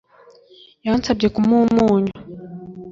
Yansabye kumuha umunyu